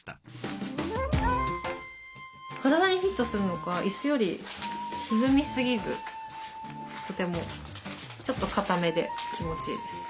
体にフィットするのか椅子より沈みすぎずとてもちょっとかためで気持ちいいです。